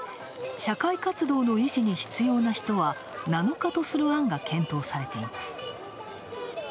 社会活動の維持に必要な人は７日とする案が検討されています。